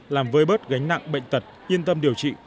làm vơi bớt gánh nặng bệnh tật yên tâm điều trị